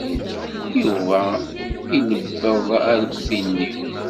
Yuba ilebbeḍ arekti-nni.